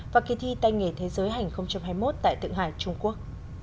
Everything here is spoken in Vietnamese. và kỳ thi tay nghề thế giới hành hai mươi một tại tượng hải trung quốc